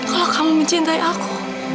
kalau kamu mencintai aku